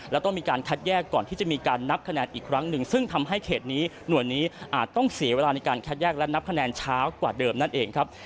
และต้องมีการคัดแยกก่อนที่จะมีการนับคะแนนอีกครั้งหนึ่งซึ่งทำให้เขตนี้หน่วยนี้อาจต้องเสียเวลาในการคัดแยกและนับคะแนนช้ากว่าเดิมนั่นเองครับ